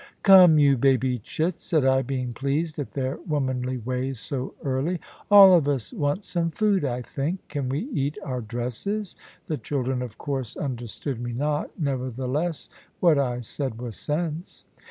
"Come, you baby chits," said I, being pleased at their womanly ways, so early; "all of us want some food, I think. Can we eat our dresses?" The children, of course, understood me not; nevertheless, what I said was sense.